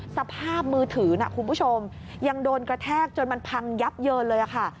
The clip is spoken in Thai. สภาพมือถือนะคุณผู้ชมยังโดนกระแทกจนมันพังยับเยินเลยค่ะ